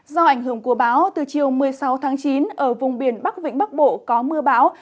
do ảnh hưởng của báo từ chiều một mươi sáu tháng chín ở vùng biển bắc vĩnh bắc bộ có mưa báo